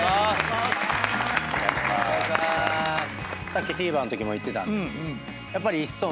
さっきＴＶｅｒのときも言ってたんですけど